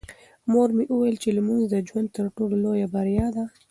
مور مې وویل چې لمونځ د ژوند تر ټولو لویه بریا ده.